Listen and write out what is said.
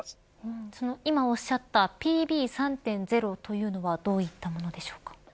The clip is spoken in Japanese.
今おっしゃったＰＢ３．０というのはどういったものでしょうか。